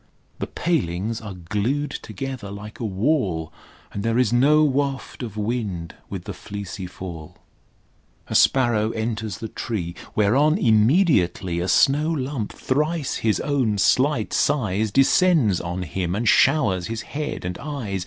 The palings are glued together like a wall, And there is no waft of wind with the fleecy fall. A sparrow enters the tree, Whereon immediately A snow lump thrice his own slight size Descends on him and showers his head and eyes.